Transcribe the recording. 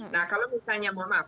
nah kalau misalnya mohon maaf